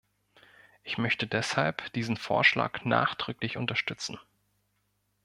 Ich möchte deshalb diesen Vorschlag nachdrücklich unterstützen.